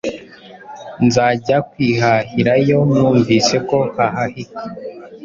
nzajya kwihahirayo numvise ko hahahika